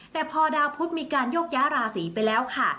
แต่พอดาวพุทธมีการโยกย้าราศีไปแล้วค่ะ